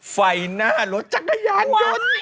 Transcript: ไฟหน้ารถจักรยานยนต์